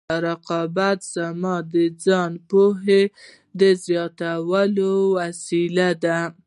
رقیب زما د ځان پوهې د زیاتولو وسیله ده